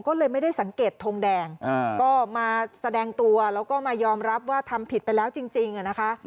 ก็เลยไม่ได้สังเกตทงแดงก็มาแสดงตัวแล้วก็มายอมรับว่าทำผิดไปแล้วจริงนะคะ